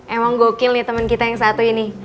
emang gokil nih teman kita yang satu ini